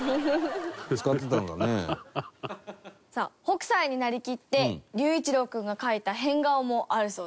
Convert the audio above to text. さあ北斎になりきって龍一郎君が描いた変顔もあるそうです。